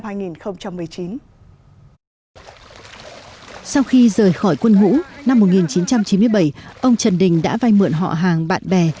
sau khi rời khỏi quân ngũ năm một nghìn chín trăm chín mươi bảy ông trần đình đã vay mượn họ hàng bạn bè